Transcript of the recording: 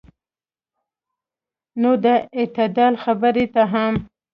نو د اعتدال خبرې ته هم